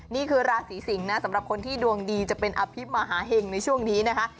นี่คือราศีสิงศ์นะสำหรับคนที่ดวงดีจะเป็นอภิมหาเห็งในช่วงนี้นะคะ